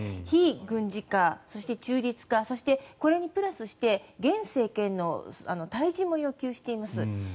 非軍事化そして中立化そしてこれにプラスして現政権の退陣も要求しています。